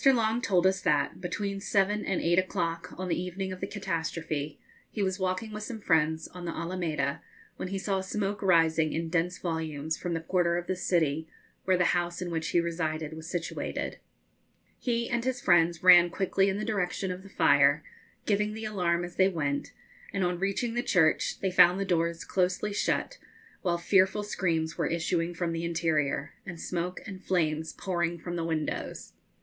Long told us that, between seven and eight o'clock on the evening of the catastrophe, he was walking with some friends on the Alameda, when he saw smoke rising in dense volumes from the quarter of the city where the house in which he resided was situated. He and his friends ran quickly in the direction of the fire, giving the alarm as they went, and on reaching the church they found the doors closely shut, while fearful screams were issuing from the interior, and smoke and flames pouring from the windows.